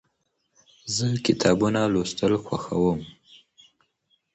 زه کتابونه لوستل خوښوم.